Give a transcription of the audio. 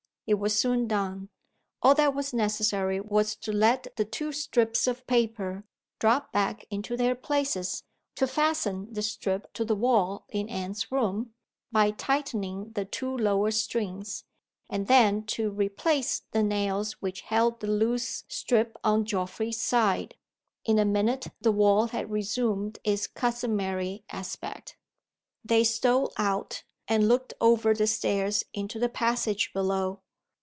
It was soon done. All that was necessary was to let the two strips of paper drop back into their places to fasten the strip to the wall in Anne's room, by tightening the two lower strings and then to replace the nails which held the loose strip on Geoffrey's side. In a minute, the wall had reassumed its customary aspect. They stole out, and looked over the stairs into the passage below.